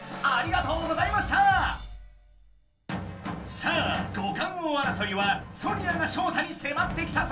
さあ五感王あらそいはソニアがショウタにせまってきたぞ！